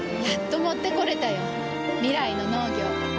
やっと持ってこれたよ。未来の農業。